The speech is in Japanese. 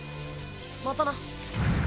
またな。